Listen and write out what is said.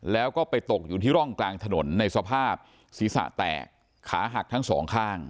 แล้วก็ไปตกอยู่ที่ร่องกลางถนนในสภาพศีรษะแตกขาหักทั้งสองข้าง